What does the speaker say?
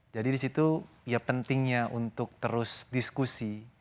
jadi disitu ya pentingnya untuk terus diskusi